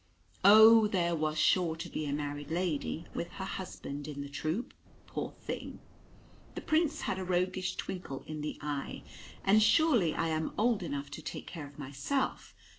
"Oh, there was sure to be a married lady with her husband in the troupe, poor thing!" The Prince had a roguish twinkle in the eye. "And surely I am old enough to take care of myself.